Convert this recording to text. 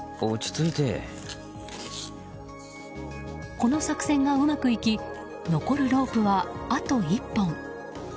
この作戦がうまくいき残るロープはあと１本。